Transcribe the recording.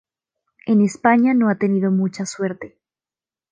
En España no ha tenido mucha suerte.